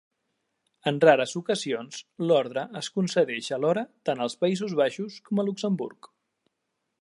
En rares ocasions, l'orde es concedeix alhora tant als Països Baixos com a Luxemburg.